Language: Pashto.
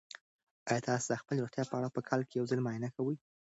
آیا تاسو د خپلې روغتیا په اړه په کال کې یو ځل معاینه کوئ؟